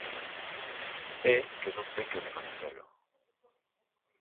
É que non ten que recoñecelo.